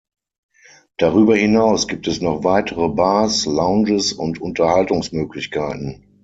Darüber hinaus gibt es noch weitere Bars, Lounges und Unterhaltungsmöglichkeiten.